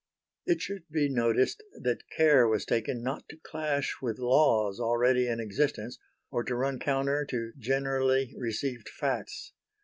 It should be noticed that care was taken not to clash with laws already in existence or to run counter to generally received facts.